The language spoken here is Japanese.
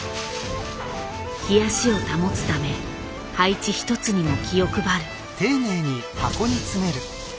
冷やしを保つため配置一つにも気を配る。